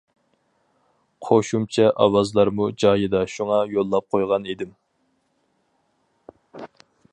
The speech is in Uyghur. قوشۇمچە ئاۋازلارمۇ جايىدا شۇڭا يوللاپ قويغان ئىدىم.